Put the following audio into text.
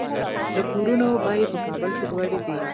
د کورونو بیې په کابل کې لوړې دي